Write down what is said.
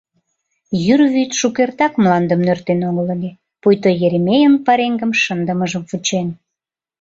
Йӱр вӱд шукертак мландым нӧртен огыл ыле, пуйто Еремейын пареҥгым шындымыжым вучен.